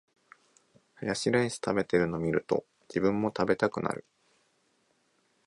ハヤシライス食べてるの見ると、自分も食べたくなる